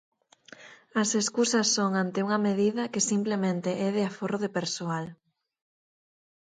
As escusas son ante unha medida que simplemente é de aforro de persoal.